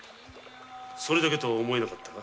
それだけとは思えなかったが。